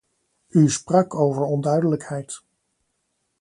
U sprak over onduidelijkheid.